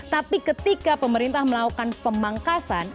tapi ketika pemerintah melakukan pemangkasan